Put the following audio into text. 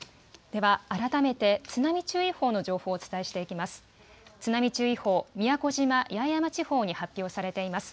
では改めて津波注意報の情報をお伝えしていきます。